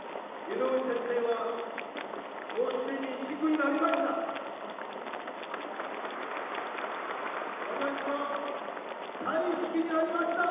井上先生は、もうすでにシックになりました。